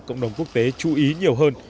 cộng đồng quốc tế chú ý nhiều hơn